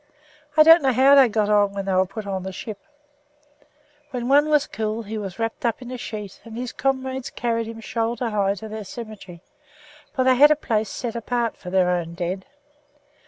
I don't know how they got on when they were put on the ship. When one was killed, he was wrapped up in a sheet and his comrades carried him shoulder high to their cemetery, for they had a place set apart for their own dead.